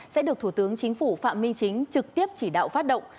sẽ được thủ tướng chính phủ phạm minh chính trực tiếp chỉ đạo phát động